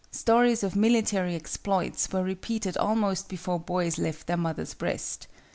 Stories of military exploits were repeated almost before boys left their mother's breast.